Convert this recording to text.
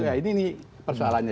nah ini persoalannya